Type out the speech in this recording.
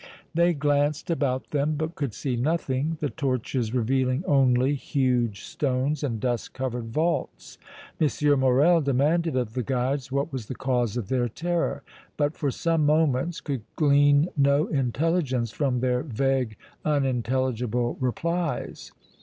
They glanced about them but could see nothing, the torches revealing only huge stones and dust covered vaults. M. Morrel demanded of the guides what was the cause of their terror, but for some moments could glean no intelligence from their vague, unintelligible replies.